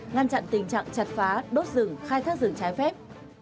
ngăn chặn tình trạng chặt phá đốt rừng khai thác rừng trái phép